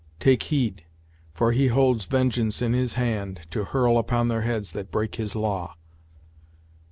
Take heed; for he holds vengeance in his hand, To hurl upon their heads that break his law."